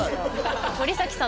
森崎さん